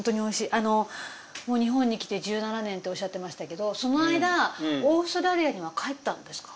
あのもう日本に来て１７年っておっしゃってましたけどその間オーストラリアには帰ったんですか？